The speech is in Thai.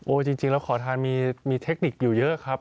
จริงแล้วขอทานมีเทคนิคอยู่เยอะครับ